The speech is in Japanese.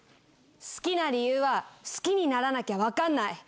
好きな理由は好きにならなきゃ分かんない。